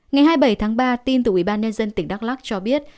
ngày hai mươi bảy tháng ba tin từ ubnd tỉnh đắk lắc cho biết